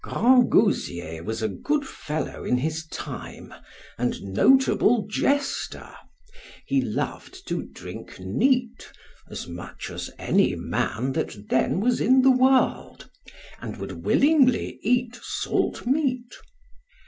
Grangousier was a good fellow in his time, and notable jester; he loved to drink neat, as much as any man that then was in the world, and would willingly eat salt meat.